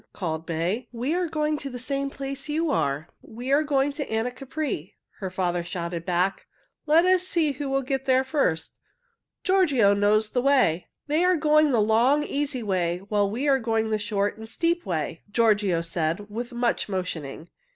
called May. "We are going to the same place you are. We are going to Anacapri," her father shouted back. "Let us see who will get there first. Giorgio knows the way." "They are going the long and easy way, while we are going the short and steep way," Giorgio said, with much motioning.